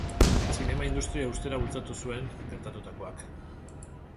Zinema industria uztera bultzatu zuen gertatutakoak.